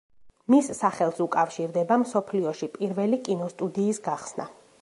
მის სახელს უკავშირდება მსოფლიოში პირველი კინოსტუდიის გახსნა.